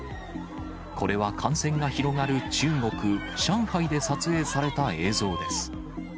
これは感染が広がる、中国・上海で撮影された映像です。